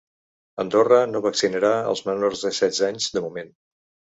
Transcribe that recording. Andorra no vaccinarà els menors de setze anys de moment.